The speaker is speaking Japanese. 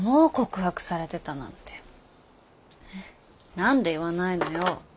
何で言わないのよ。